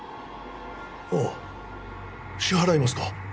ああ支払いますか？